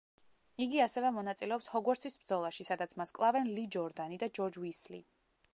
იგი ასევე მონაწილეობს ჰოგვორტსის ბრძოლაში, სადაც მას კლავენ ლი ჯორდანი და ჯორჯ უისლი.